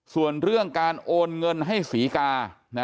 ส่วนเรื่องการโอนเงินให้ศรีกา